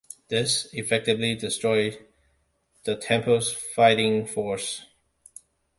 This effectively destroyed the temple's fighting force.